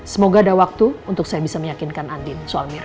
semoga ada waktu untuk saya bisa meyakinkan andin suami